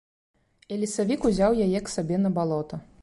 І лесавік узяў яе к сабе на балота.